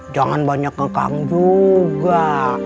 jangan banyak kekang juga